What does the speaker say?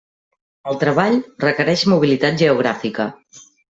El treball requereix mobilitat geogràfica.